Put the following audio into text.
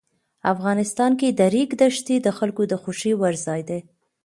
افغانستان کې د ریګ دښتې د خلکو د خوښې وړ ځای دی.